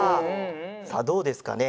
さあどうですかね？